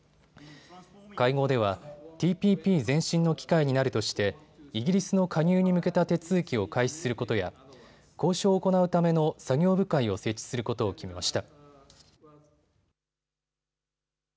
会合ではＴＰＰ前進の機会になるとしてイギリスの加入に向けた手続きを開始することや交渉を行うための作業部会を設置することを決めました。